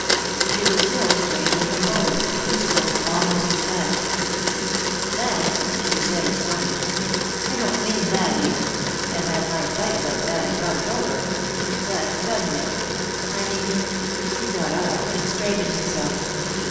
She was still strangely composed, peaceful, almost detached. "That!" he said, astonished. "I don't mean that, Edith. I've had my fight about that, and got it over. That's done with. I mean " he got up and straightened himself.